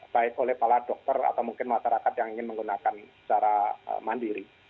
baik oleh pala dokter atau mungkin masyarakat yang ingin menggunakan secara mandiri